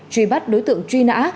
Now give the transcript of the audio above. truy bắt đối tượng truy nã